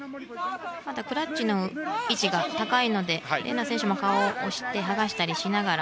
クラッチの位置が高いのでＲＥＮＡ選手も顔を押して剥がしたりしながら。